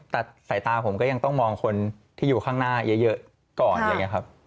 แต่สายตาผมก็ยังต้องมองคนที่อยู่ข้างหน้าเยอะก่อนอะไรอย่างนี้ครับ